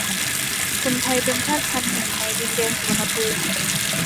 คนไทย เป็นชาติพันธุ์หนึ่งในดินแดนสุวรรณภูมิ